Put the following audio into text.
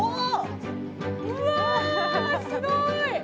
うわ、すごい。